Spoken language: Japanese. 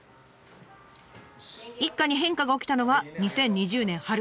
一家に変化が起きたのは２０２０年春。